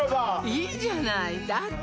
いいじゃないだって